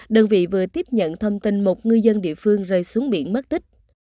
đơn vị vừa tiếp nhận thông tin một ngư dân địa phương rơi xuống biển mất tích